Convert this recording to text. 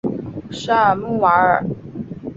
沙尔穆瓦尔。